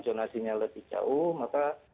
jurnasinya lebih jauh maka